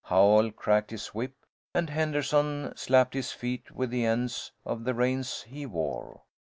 Howell cracked his whip, and Henderson slapped his feet with the ends of the reins he wore.